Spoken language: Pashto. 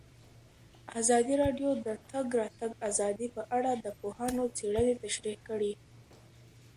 ازادي راډیو د د تګ راتګ ازادي په اړه د پوهانو څېړنې تشریح کړې.